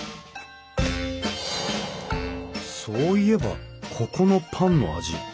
そういえばここのパンの味